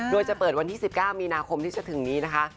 โดยจะเปิดวันที่๑๙มีนาคมที่จะถึงนี้นะคะ